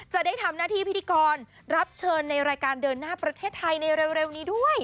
จะได้ทำหน้าที่พิธีกรรับเชิญในรายการเดินหน้าประเทศไทยในเร็วนี้ด้วย